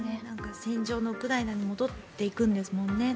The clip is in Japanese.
戦場のウクライナに戻っていくんですもんね。